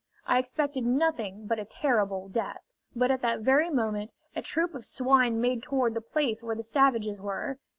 I expected nothing but a terrible death; but at that very moment a troop of swine made toward the place where the savages were.